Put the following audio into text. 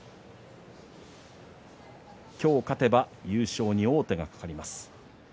今日勝てば優勝に王手がかかります。